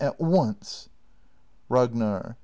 at once! Ragnar.